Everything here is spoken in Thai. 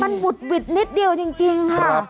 มันหุดหวิดนิดเดียวจริงค่ะ